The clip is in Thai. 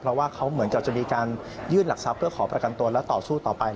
เพราะว่าเขาเหมือนกับจะมีการยื่นหลักทรัพย์เพื่อขอประกันตัวและต่อสู้ต่อไป